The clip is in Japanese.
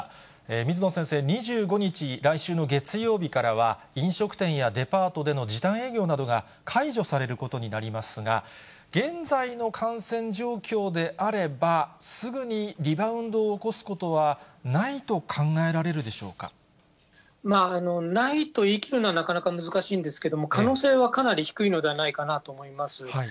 水野先生、２５日、来週の月曜日からは、飲食店やデパートでの時短営業などが解除されることになりますが、現在の感染状況であれば、すぐにリバウンドを起こすことはないとないと言いきるのは、なかなか難しいんですけれども、可能性はかなり低いのではないかなと思います。